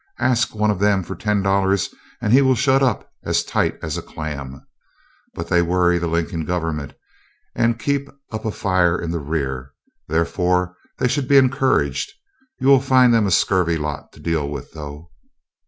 Ask one of them for ten dollars and he will shut up as tight as a clam. But they worry the Lincoln government, and keep up a fire in the rear; therefore they should be encouraged. You will find them a scurvy lot to deal with, though."